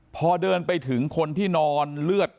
พอเดินไปถึงคนที่นอนเลือด